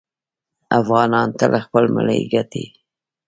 افغانان تل خپل مړی ګټي.